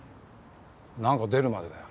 何か出るまでだよ。